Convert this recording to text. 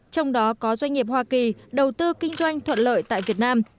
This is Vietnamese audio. trong đó có doanh nghiệp hoa kỳ đầu tư kinh doanh thuận lợi tại việt nam